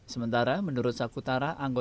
sementara menurut sakutara